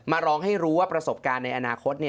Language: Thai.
ร้องให้รู้ว่าประสบการณ์ในอนาคต